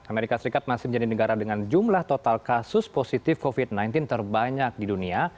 amerika serikat masih menjadi negara dengan jumlah total kasus positif covid sembilan belas terbanyak di dunia